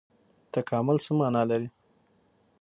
تکامل څه مانا لري؟